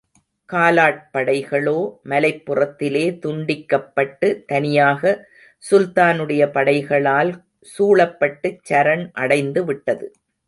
காலாட்படைகளோ, மலைப்புறத்திலே துண்டிக்கப்பட்டு தனியாக சுல்தானுடைய படைகளால் சூழப்பட்டுச் சரண் அடைந்துவிட்டது.